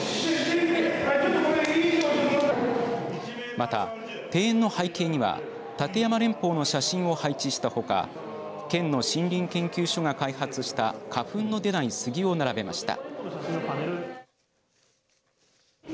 また庭園の背景には立山連峰の写真を配置したほか県の森林研究所が開発した花粉の出ない杉を並べました。